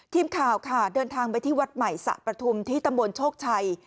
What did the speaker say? ทีมข่าวค่ะเดินทางไปที่วัดใหม่สะประทุมที่ตำบลโชคชัย